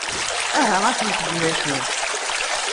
Aha afemt-d d acu!